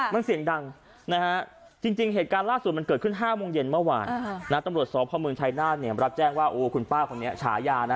มันเสียงดังนะฮะจริงเหตุการณ์ล่าสุดมันเกิดขึ้น๕โมงเย็นเมื่อวานตำรวจสพเมืองชายนาฏรับแจ้งว่าโอ้คุณป้าคนนี้ฉายานะ